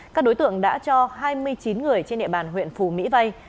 các đối tượng đã cho hai mươi chín người trên địa bàn huyện phù mỹ vay